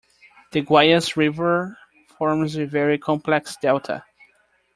The Guayas River forms a very complex delta.